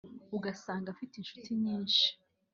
ugasanga afite inshuti nyinshi